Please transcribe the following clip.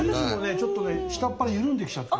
ちょっとね下っ腹ゆるんできちゃった。